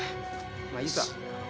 まあいいさ。